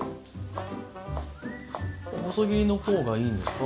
細切りの方がいいんですか？